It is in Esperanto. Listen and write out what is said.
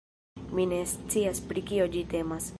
Mi ne scias pri kio ĝi temas